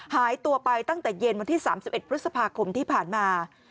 หายตัวไปตั้งแต่เย็นวันที่๓๑พฤษภาคมที่ผ่านมา